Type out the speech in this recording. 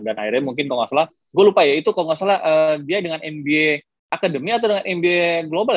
dan akhirnya mungkin kalo gak salah gue lupa ya itu kalo gak salah dia dengan mba academy atau dengan mba global ya